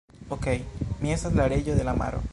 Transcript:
Okej. Mi estas la reĝo de la maro.